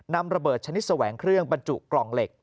นำระเบิดชนิดแสวงเครื่องบรรจุกล่องเหล็ก